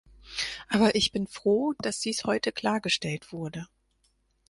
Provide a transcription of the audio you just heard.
Aber ich bin froh, dass dies heute klargestellt wurde.